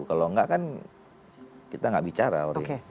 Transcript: kalau enggak kan kita nggak bicara